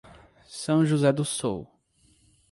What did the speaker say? São José do Sul